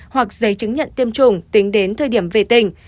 hoặc giấy chứng nhận tiêm chủng tính đến thời điểm về tỉnh